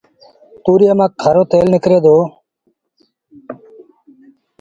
تُوريئي مآݩ کآرو تيل نڪري دو